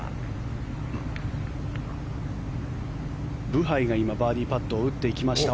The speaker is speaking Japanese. ブハイが今バーディーパットを打っていきました。